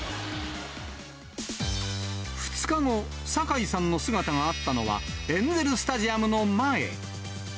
２日後、酒井さんの姿があったのは、エンゼル・スタジアムの前。